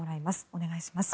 お願いします。